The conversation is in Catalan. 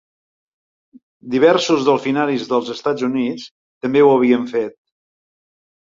Diversos delfinaris dels Estats Units també ho havien fet.